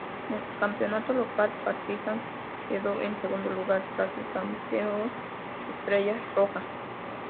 En el campeonato local, Partizan quedó en segundo lugar, tras el campeón Estrella Roja.